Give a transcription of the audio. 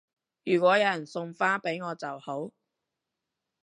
如果有人送花俾我就好